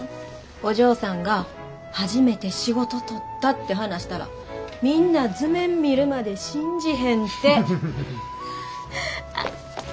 お嬢さんが初めて仕事取ったって話したらみんな図面見るまで信じへんて！